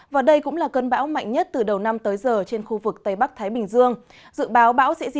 và đây cũng là cơn bão mạnh nhất từ đầu năm tới giờ trên khu vực tây bắc thái bình dương